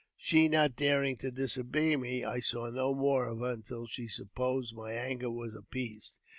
She not daring to disobey me, I saw no more of her until she supposed my anger was appeased.